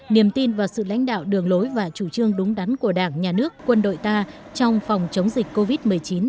niềm tin vào sự lãnh đạo đường lối và chủ trương đúng đắn của đảng nhà nước quân đội ta trong phòng chống dịch covid một mươi chín